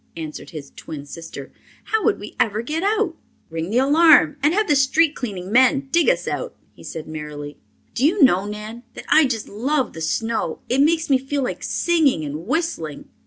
answered his twin sister. "How would we ever get out?" "Ring the alarm and have the street cleaning men dig us out," he said merrily. "Do you know, Nan, that I just love the snow. It makes me feel like singing and whistling."